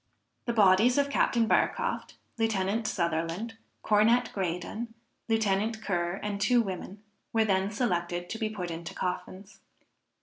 The bodies of Captain Barcroft, Lieutenant Sutherland, Cornet Graydon, Lieutenant Ker and two women, were then selected to be put into coffins.